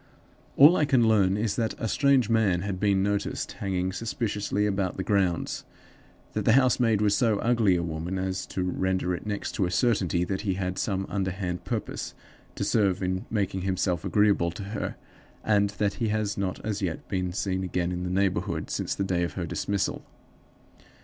"All I can learn is that a strange man had been noticed hanging suspiciously about the grounds; that the housemaid was so ugly a woman as to render it next to a certainty that he had some underhand purpose to serve in making himself agreeable to her; and that he has not as yet been seen again in the neighborhood since the day of her dismissal.